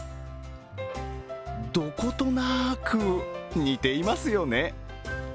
どことなく、似ていますよね？